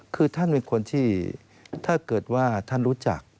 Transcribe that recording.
คือท่านเป็นคนที่ถ้าเกิดว่าท่านรู้จัก